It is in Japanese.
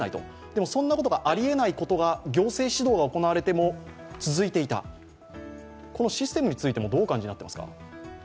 でも、そんなことがありえないことが行政指導が行われても続いていた、このシステムについてもどうお感じになっていますか？